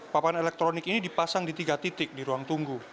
papan elektronik ini dipasang di tiga titik di ruang tunggu